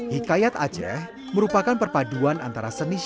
hikayat aceh merupakan perpaduan antara seni syair dan penyanyi